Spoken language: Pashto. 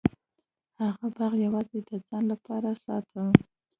هغه باغ یوازې د ځان لپاره ساته.